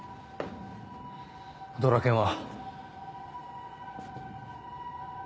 ドラケンは？